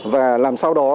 và làm sao đó